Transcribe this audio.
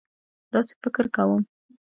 داسې فکر کوم.